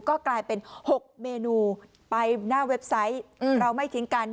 ก็กลายเป็น๖เมนูไปหน้าเว็บไซต์เราไม่ทิ้งกัน